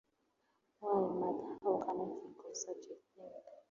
Why, mother, how can you think of such a thing?